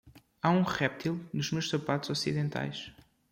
Há um réptil nos meus sapatos ocidentais.